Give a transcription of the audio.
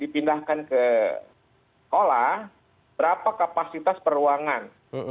dipindahkan ke sekolah berapa kapasitas peruangan